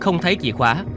không thấy chìa khóa